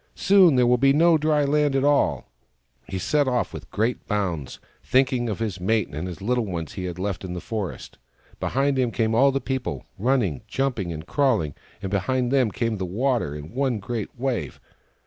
" Soon there will be no dry land at all !" He set off with great bounds, thinking of his mate and the little ones he had left in the forest. Behind him came all the people, running, jumping and crawling ; and behind them came the water, in one great wave.